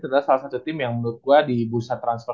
adalah salah satu tim yang menurut gue di bursa transfer